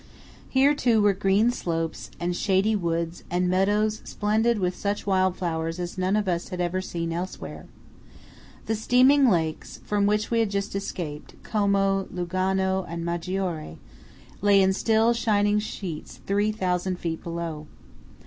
Here, too, were green slopes, and shady woods, and meadows splendid with such wild flowers as none of us had ever seen elsewhere. The steaming lakes, from which we had just escaped–Como, Lugano and Maggiore–lay in still, shining sheets three thousand feet below.